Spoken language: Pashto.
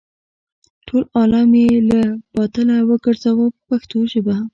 ټول عالم یې له باطله وګرځاوه په پښتو ژبه.